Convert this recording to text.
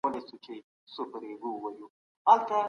هغه نظر چې نن ورځ صدق کوي دقيق دی.